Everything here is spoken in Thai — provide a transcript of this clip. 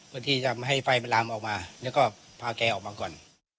เพื่อที่จะไม่ให้ไฟมันลามออกมาแล้วก็พาแกออกมาก่อน